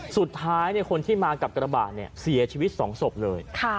สุดท้ายคนที่มากับกระบะเนี่ยเสียชีวิต๒ศพเลย